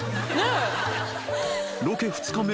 ［ロケ２日目。